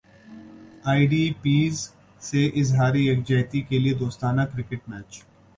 ائی D Ps سے اظہار یک جہتی کیلئے دوستانہ کرکٹ میچ